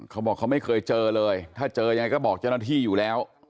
เขาบอกเขาไม่เคยเจอเลยถ้าเจอยังไงก็บอกเจ้าหน้าที่อยู่แล้ว